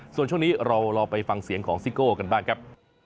ส่วนช่วงนี้เราลองไปฟังเสียงของซิโก้กันบ้างครับ